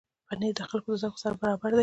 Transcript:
پنېر د خلکو د ذوق سره برابر دی.